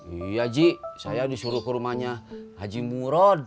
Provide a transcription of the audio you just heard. iya ji saya disuruh ke rumahnya haji murod